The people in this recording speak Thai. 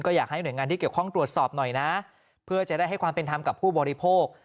อยากให้หน่วยงานที่เกี่ยวข้องตรวจสอบหน่อยนะเพื่อจะได้ให้ความเป็นธรรมกับผู้บริโภค